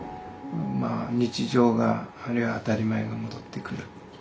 まあ日常があるいは当たり前が戻ってくる。